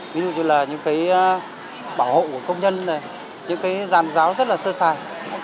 ví dụ như là những cái bảo hộ của công nhân những cái dàn giáo rất là sơ sài